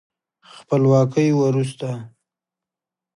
خپلواکۍ وروسته